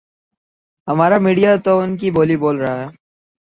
ہمارا میڈیا تو انکی بولی بول رہا ۔